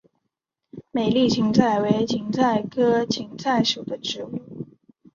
美丽堇菜为堇菜科堇菜属的植物。